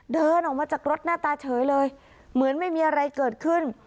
เดินออกมาจากรถหน้าตาเฉยเลยเหมือนไม่มีอะไรเกิดขึ้น